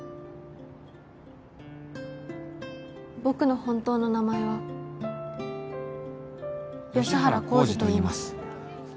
僕の本当の名前は吉原康司といいます